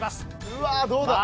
うわどうだ？